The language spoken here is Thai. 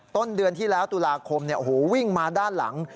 ต้นเดือนที่แล้วตุลาคมวิ่งมาด้านหลัง